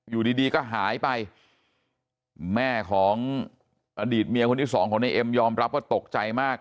อยู่ดีดีก็หายไปแม่ของอดีตเมียคนที่สองของในเอ็มยอมรับว่าตกใจมาก